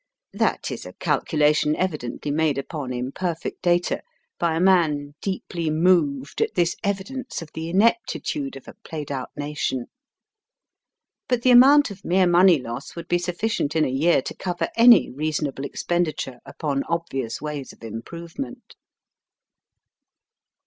That is a calculation evidently made upon imperfect data, by a man deeply moved at this evidence of the ineptitude of a played out nation. But the amount of mere money loss would be sufficient in a year to cover any reasonable expenditure upon obvious ways of improvement.